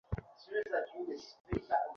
মগদের রাজা পরাজয় স্বীকার করিয়াছেন।